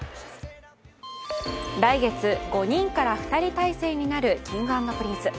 来月、５人から２人体制になるＫｉｎｇ＆Ｐｒｉｎｃｅ。